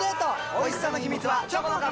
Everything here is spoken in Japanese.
おいしさの秘密はチョコの壁！